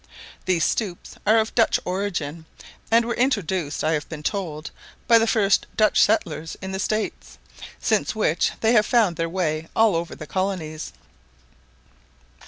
These stoups are of Dutch origin, and were introduced, I have been told, by the first Dutch settlers in the states, since which they have found their way all over the colonies.